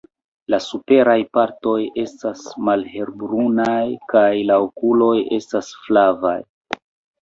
La supraj partoj estas malhelbrunaj, kaj la okuloj estas flavaj.